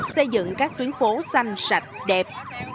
xây dựng các tuyến phố xanh sạch đẹp